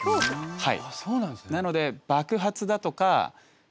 はい。